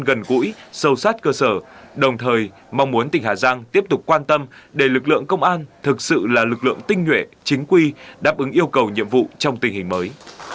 gần gũi sâu sát cơ sở đồng thời mong muốn tỉnh hà giang tiếp tục quan tâm để lực lượng công an thực sự là lực lượng tinh nhuệ chính quy đáp ứng yêu cầu nhiệm vụ trong tình hình mới